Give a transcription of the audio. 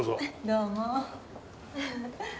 どうも。